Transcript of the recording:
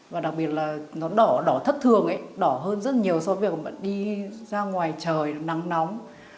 và đặc biệt là nó đỏ đỏ thất thường ấy đỏ hơn rất nhiều so với việc mà đi ra ngoài trời nắng nóng